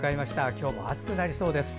今日も暑くなりそうです。